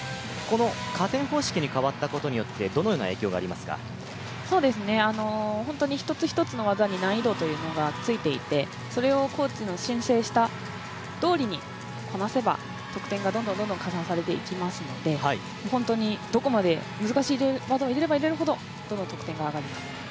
加点方式に変わったことによって本当に一つ一つの技に難易度というのがついていてそれをコーチの申請したとおりにこなせば得点がどんどん加算されていきますので本当にどこまで難しい技を入れれば入れるほどどんどん得点が上がります。